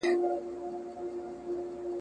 په دې خړو کنډوالو یو نازېدلي `